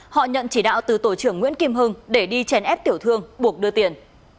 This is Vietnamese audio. họ nhận chỉ đạo từ tổ trưởng nguyễn kim hưng để đi chèn ép tiểu thương buộc đưa tiền